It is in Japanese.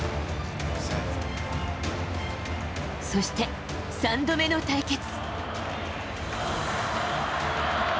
そして、３度目の対決。